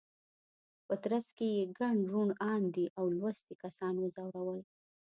په ترڅ کې یې ګڼ روڼ اندي او لوستي کسان وځورول.